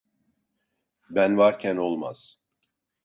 Ben varken olmaz.